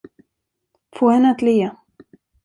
Få henne att le.